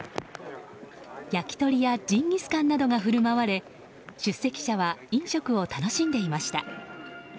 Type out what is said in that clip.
焼き鳥やジンギスカンなどが振る舞われ出席者は飲食を楽しんでいました。